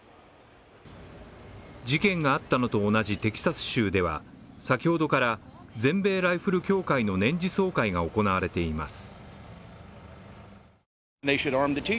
事件があったのと同じテキサス州では、先ほどから全米ライフル協会の年次総会が行われています。